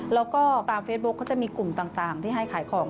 แล้วก็ตามเฟซบุ๊คเขาจะมีกลุ่มต่างที่ให้ขายของ